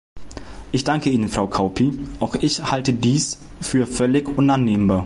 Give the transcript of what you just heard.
Ich danke Ihnen, Frau Kauppi, auch ich halte dies für völlig unannehmbar.